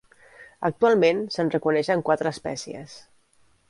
Actualment se'n reconeixen quatre espècies.